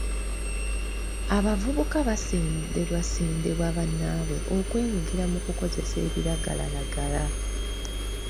Abavubuka basendebwasendebwa bannaabwe okwenyigira mu kukozesa ebiragalalagala.